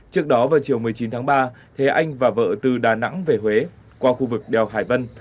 trước đó vào chiều một mươi chín tháng ba thế anh và vợ từ đà nẵng về huế qua khu vực đèo hải vân